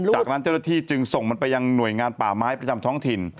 จากนั้นเจ้าหน้าที่จึงส่งมันไปยังหน่วยงานป่าไม้ประจำท้องถิ่น